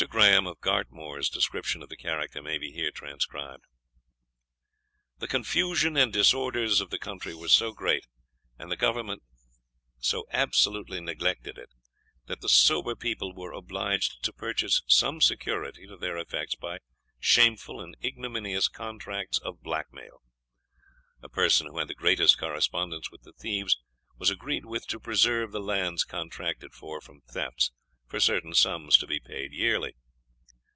Grahame of Gartmore's description of the character may be here transcribed: "The confusion and disorders of the country were so great, and the Government go absolutely neglected it, that the sober people were obliged to purchase some security to their effects by shameful and ignominious contracts of black mail. A person who had the greatest correspondence with the thieves was agreed with to preserve the lands contracted for from thefts, for certain sums to be paid yearly.